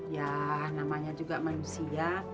ya namanya juga manusia